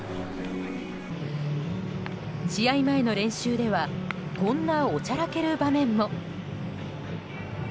試合前の練習ではこんなおちゃらける場面も。